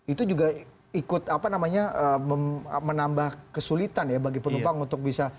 itu juga ikut apa namanya menambah kesulitan ya bagi penumpang untuk bisa